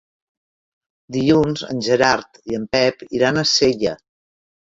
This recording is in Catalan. Dilluns en Gerard i en Pep iran a Sella.